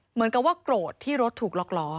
เหมือนกับว่าโกรธที่รถถูกล็อกล้อ